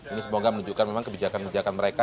ini semoga menunjukkan memang kebijakan kebijakan mereka